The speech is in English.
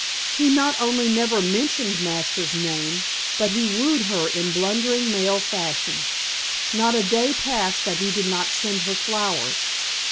He not only never mentioned Masters' name, but he wooed her in blundering male fashion. Not a day passed that he did not send her flowers.